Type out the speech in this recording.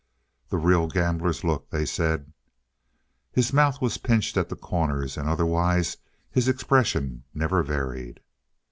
"The real gambler's look," they said. His mouth was pinched at the corners, and otherwise his expression never varied.